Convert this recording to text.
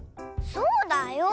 そうだよ！